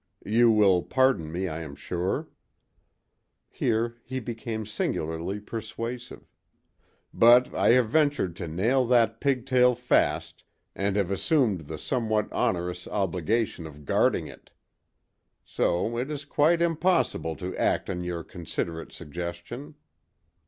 You will pardon me, I am sure"—here he became singularly persuasive—"but I have ventured to nail that pigtail fast, and have assumed the somewhat onerous obligation of guarding it. So it is quite impossible to act on your considerate suggestion.